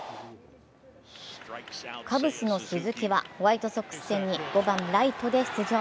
カブスの鈴木はホワイトソックス戦に５番・ライトで出場。